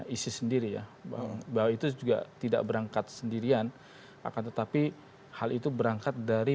isis sendiri ya bahwa itu juga tidak berangkat sendirian akan tetapi hal itu berangkat dari